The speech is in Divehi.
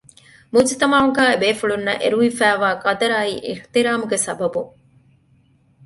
މުޖުތަމަޢުގައި އެ ބޭފުޅުންނަށް އެރުވިފައިވާ ޤަދަރާއި އިޙުތިރާމުގެ ސަބަބުން